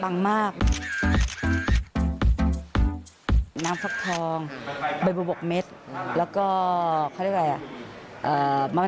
มากน้ำฟักทองใบบุบกเม็ดแล้วก็เขาเรียกอะไรอ่ะ